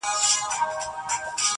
سپين لاسونه د ساقي به چيري وېشي.!